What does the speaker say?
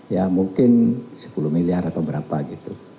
ya mungkin sepuluh miliar atau berapa gitu